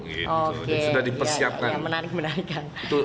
oke sudah dipersiapkan menarik menarik